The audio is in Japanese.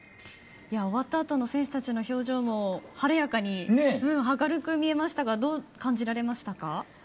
終わったあとの選手たちの表情も晴れやかに明るく見えましたがどう感じられましたか？